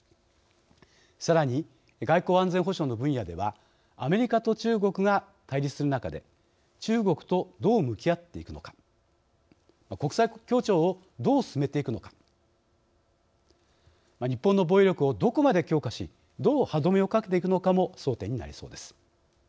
さらに外交・安全保障の分野ではアメリカと中国が対立する中で中国とどう向き合っていくのか国際協調をどう進めていくのか日本の防衛力をどこまで強化しどう歯止めをかけていくのかも争点になりそうです。